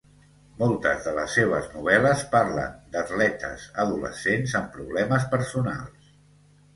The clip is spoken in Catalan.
Moltes de les seves novel·les parlen d'atletes adolescents amb problemes personals.